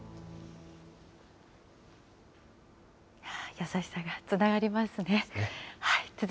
優しさがつながりますね。